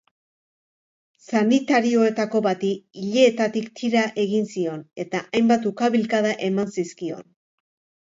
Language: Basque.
Sanitarioetako bati ileetatik tira egin zion eta hainbat ukabilkada eman zizkion.